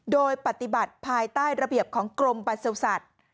โดยปฏิบัติภายใต้ระเบียบของกรมประสุทธิ์